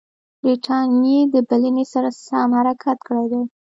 برټانیې د بلنې سره سم حرکت کړی دی.